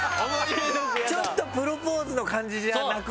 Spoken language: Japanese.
ちょっとプロポーズの感じじゃなくなる。